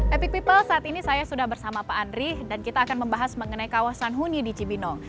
epic people saat ini saya sudah bersama pak andri dan kita akan membahas mengenai kawasan huni di cibinong